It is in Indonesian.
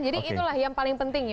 jadi itulah yang paling penting ya